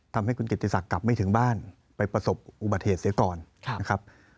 ทำให้คุณกิติศักดิ์กลับไม่ถึงบ้านไปประสบอุบัติเหตุเสียก่อนนะครับ